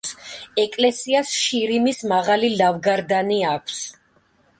ეკლესიას შირიმის მაღალი ლავგარდანი აქვს.